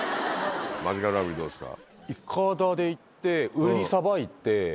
マヂカルラブリーどうですか？